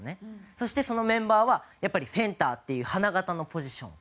そしてそのメンバーはやっぱりセンターっていう花形のポジション。